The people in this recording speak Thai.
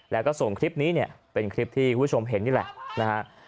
แล้วก็ส่งคลิปนี้เนี่ยเป็นคลิปที่คุณผู้ชมเห็นนี่แหละนะฮะ